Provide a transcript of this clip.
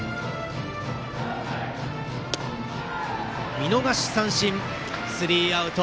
見逃し三振スリーアウト。